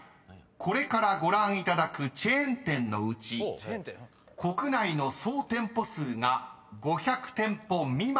［これからご覧いただくチェーン店のうち国内の総店舗数が５００店舗未満のお店はアウト］